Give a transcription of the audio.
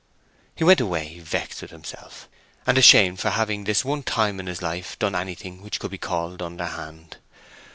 He went away vexed with himself, and ashamed of having for this one time in his life done anything which could be called underhand.